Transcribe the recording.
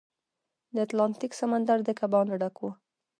د اتلانتیک سمندر د کبانو ډک و.